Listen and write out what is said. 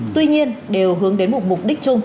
tuy nhiên đều hướng đến một mục đích chung